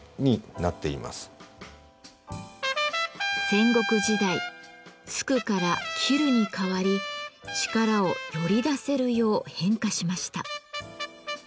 戦国時代突くから斬るに変わり力をより出せるよう変化しました。